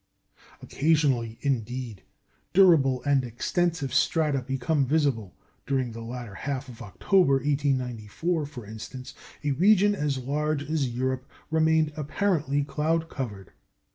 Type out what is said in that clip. Occasionally, indeed, durable and extensive strata become visible. During the latter half of October, 1894, for instance, a region as large as Europe remained apparently cloud covered.